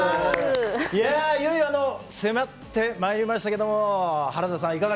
いやいよいよあの迫ってまいりましたけども原田さん